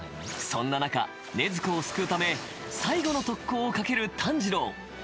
［そんな中禰豆子を救うため最後の特攻をかける炭治郎］